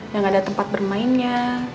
yang ada tempat bermainnya